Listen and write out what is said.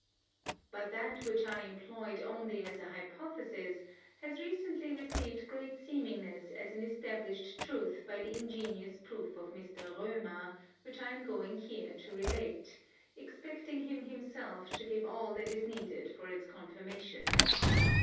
But that which I employed only as a hypothesis, has recently received great seemingness as an established truth by the ingenious proof of Mr. Römer which I am going here to relate, expecting him himself to give all that is needed for its confirmation.